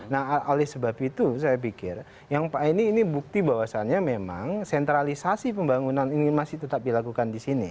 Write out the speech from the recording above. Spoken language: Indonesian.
nah oleh sebab itu saya pikir yang pak ini bukti bahwasannya memang sentralisasi pembangunan ini masih tetap dilakukan di sini